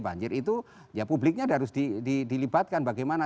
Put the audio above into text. banjir itu ya publiknya harus dilibatkan bagaimana